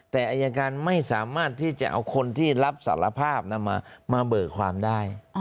แต่อายการไม่สามารถที่จะเอาคนที่รับสารภาพมาเบิกความได้